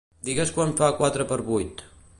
Digues quant fa quatre per vuit.